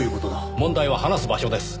問題は話す場所です。